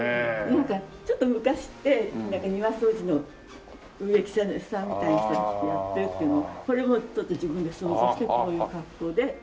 なんかちょっと昔って庭掃除の植木屋さんみたいな人たちがやってるっていうのをそれをちょっと自分で想像してこういう格好で。